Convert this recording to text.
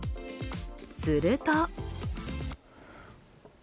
すると。